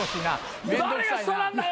誰が下なんだよ